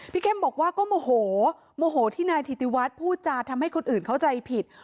เข้มบอกว่าก็โมโหโมโหที่นายธิติวัฒน์พูดจาทำให้คนอื่นเข้าใจผิด